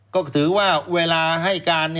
ก็ถือว่าเวลาให้การ